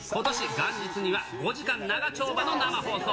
元日には、５時間長丁場の生放送。